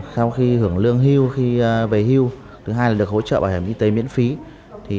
sau khi hưởng lương hưu khi về hưu thứ hai là được hỗ trợ bảo hiểm y tế miễn phí